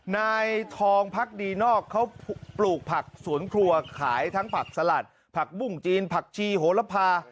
นายทองพักดีนอกเขาปลูกผักสวนครัวขายทั้งผักสลัดผักบุ้งจีนผักชีโหลพา